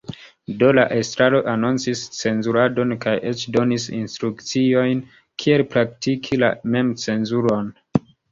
Do, la estraro anoncis cenzuradon kaj eĉ donis instrukciojn kiel praktiki la memcenzuron.